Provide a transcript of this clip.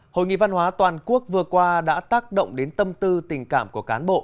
hội nghị văn hóa toàn quốc vừa qua đã tác động đến tâm tư tình cảm của cán bộ